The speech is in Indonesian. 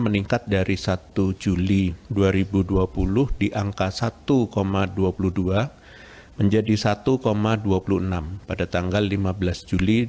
meningkat dari satu juli dua ribu dua puluh di angka satu dua puluh dua menjadi satu dua puluh enam pada tanggal lima belas juli dua ribu dua puluh